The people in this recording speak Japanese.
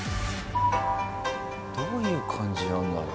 どういう感じなんだろう？